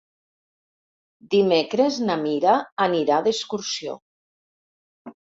Dimecres na Mira anirà d'excursió.